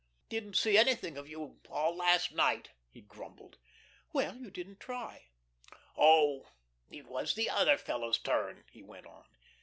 "I didn't see anything of you at all last night," he grumbled. "Well, you didn't try." "Oh, it was the Other Fellow's turn," he went on.